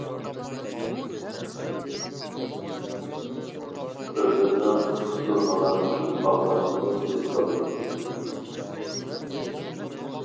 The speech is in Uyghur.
ئۆزۈمنىڭ قىستۇرمىغان چۈشۈپ قالغىنىمنى ھېس قىلدىم.